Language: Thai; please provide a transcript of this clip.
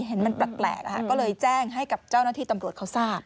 เห็นมันแปลกก็เลยแจ้งให้กับเจ้าหน้าที่ตำรวจเขาทราบ